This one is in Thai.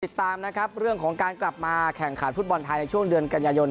ติดตามนะครับเรื่องของการกลับมาแข่งขันฟุตบอลไทยในช่วงเดือนกันยายน